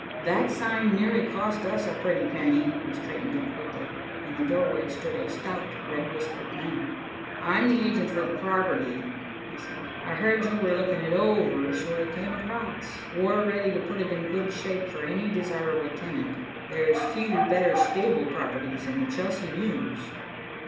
"That sign nearly cost us a pretty penny." We straightened up quickly. In the doorway stood a stout, red whiskered man. "I'm the agent for the property," he said, "I heard you were looking it over, so I came across. We're ready to put it in good shape for any desirable tenant. There's few better stable properties in the Chelsea mews."